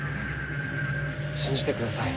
信じてください